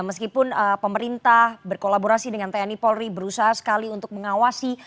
meskipun pemerintah berkolaborasi dengan tni polri berusaha sekali untuk mengawasi